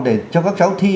để cho các cháu thi